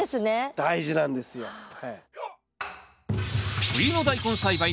大事なんですよはい。